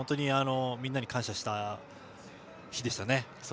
みんなに感謝した日でした。